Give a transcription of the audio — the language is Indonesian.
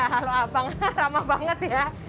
halo abang ramah banget ya